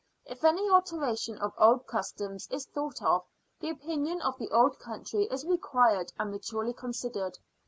If any alteration of old customs is thought of, the opinion of the old country is required and maturely considered.